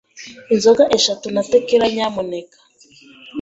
Inzoga eshatu na tequila nyamuneka.